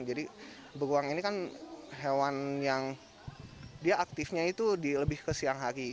jadi beruang ini kan hewan yang dia aktifnya itu di lebih ke siang hari